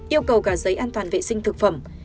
yêu cầu cả giấy an toàn vệ sinh thực phẩm